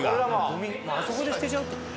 ゴミもうあそこで捨てちゃうって事？